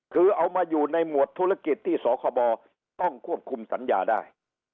คือเอามาอยู่ในหมวดธุรกิจที่สคบต้องควบคุมสัญญาได้